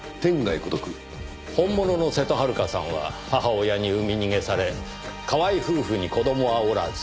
本物の瀬戸はるかさんは母親に産み逃げされ河合夫婦に子供はおらず。